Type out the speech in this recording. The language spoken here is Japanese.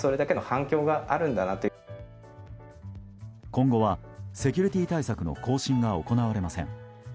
今後はセキュリティー対策の更新が行われません。